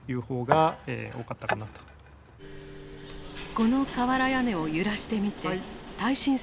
この瓦屋根を揺らしてみて耐震性を確かめた。